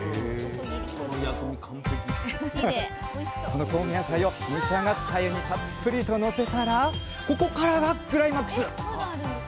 この香味野菜を蒸し上がったあゆにたっぷりとのせたらここからがクライマックス！